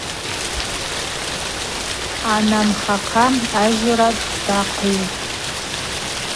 Анымхахъа ажьора дахъыгӏвпӏ.